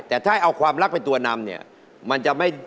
ทัฟตี้ทานเพื่อนมั้ย